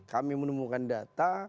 kami menemukan data